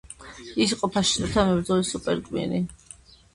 ის იყო ფაშისტებთან მებრძოლი სუპერგმირი.